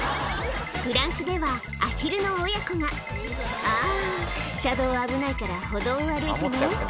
フランスではアヒルの親子が「あ車道は危ないから歩道を歩いてね」